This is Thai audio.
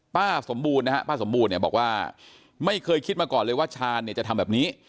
ป้าสมบูรณ์นะฮะป้าสมบูรณ์เนี่ยบอกว่าไม่เคยคิดมาก่อนเลยว่าชาญเนี่ยจะทำแบบนี้